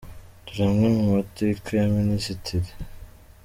Dore amwe mu mateka ya Minisitiri, Amb.